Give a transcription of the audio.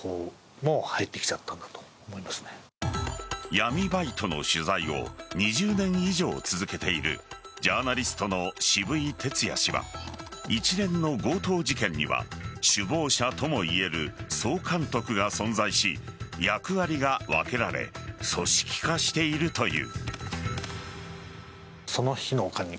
闇バイトの取材を２０年以上続けているジャーナリストの渋井哲也氏は一連の強盗事件には首謀者ともいえる総監督が存在し、役割が分けられ組織化しているという。